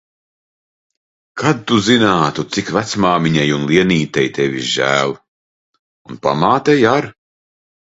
Kad tu zinātu, cik vecmāmiņai un Lienītei tevis žēl. Un pamātei ar.